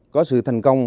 có sự thành công